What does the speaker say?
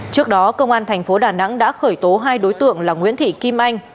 trước đó công an thành phố đà nẵng đã khởi tố hai đối tượng là nguyễn thị kim anh